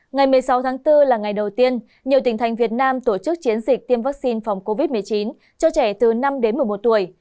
ngày một mươi sáu tháng bốn là ngày đầu tiên nhiều tỉnh thành việt nam tổ chức chiến dịch tiêm vaccine phòng covid một mươi chín cho trẻ từ năm đến một mươi một tuổi